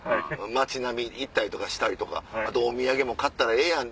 街並み行ったりとかしたりとかあとお土産も買ったらええやん。